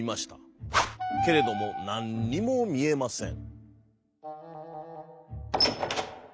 けれどもなんにもみえません。